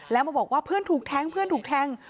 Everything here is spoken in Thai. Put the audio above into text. แล้วมาบอกว่าเพื่อนถูกแทงเพื่อนถูกแทง